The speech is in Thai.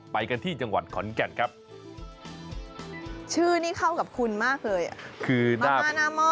ไปกันที่จังหวัดขอนแก่นครับชื่อนี้เข้ากับคุณมากเลยคือมาม่าน่าหม้อ